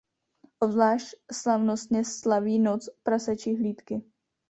Obzvlášť slavnostně slaví noc Prasečí hlídky.